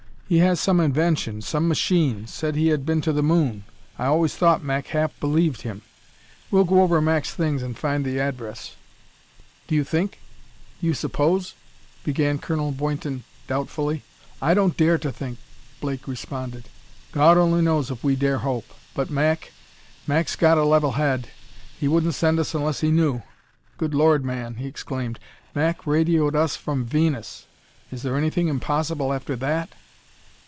He has some invention some machine said he had been to the moon. I always thought Mac half believed him. We'll go over Mac's things and find the address." "Do you think do you suppose ?" began Colonel Boynton doubtfully. "I don't dare to think," Blake responded. "God only knows if we dare hope; but Mac Mac's got a level head; he wouldn't send us unless he knew! Good Lord, man!" he exclaimed, "Mac radioed us from Venus; is there anything impossible after that?"